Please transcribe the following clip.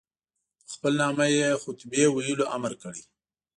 په خپل نامه یې خطبې ویلو امر کړی.